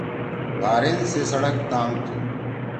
بحرین سی سڑک تانگ تُھو۔